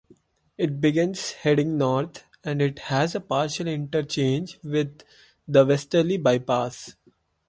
It begins heading north, and it has a partial interchange with the Westerly Bypass.